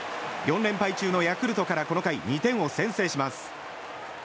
４連敗中のヤクルトからこの回２点を先制します。